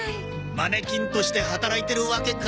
マネキンとして働いてるわけか。